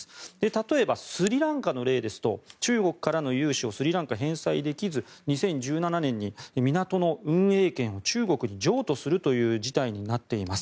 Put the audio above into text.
例えばスリランカの例ですと中国からの融資をスリランカは返済できず２０１７年に港の運営権を中国に譲渡するという事態になっています。